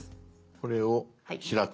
これを開く。